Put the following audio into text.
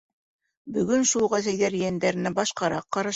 Бөгөн шул уҡ әсәйҙәр ейәндәренә башҡараҡ ҡарашта.